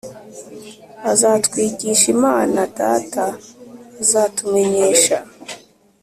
Azatwigish' Imana Data.Azatumenyesha